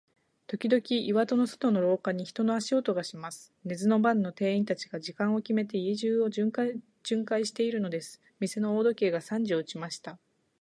ときどき、板戸の外の廊下に、人の足音がします。寝ずの番の店員たちが、時間をきめて、家中を巡回じゅんかいしているのです。店の大時計が三時を打ちました。